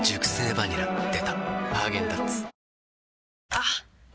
あっ！